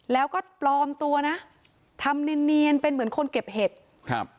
แล้วก็ปลอมตัวนะทำเนียนเนียนเป็นเหมือนคนเก็บเห็ดครับ